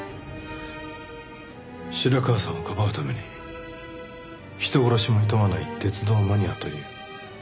白川さんをかばうために人殺しもいとわない鉄道マニアという犯人像を作り上げた。